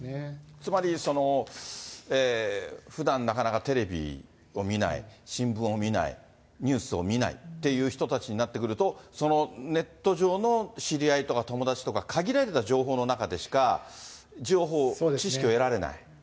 つまり、そのふだんなかなかテレビを見ない、新聞を見ない、ニュースを見ないっていう人たちになってくると、そのネット上の知り合いとか友達とか、限られた情報の中でしか情報、知識を得られない。